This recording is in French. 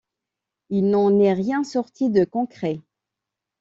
Il n'en est rien sorti de concret.